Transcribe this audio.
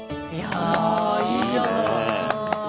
あらいいじゃない。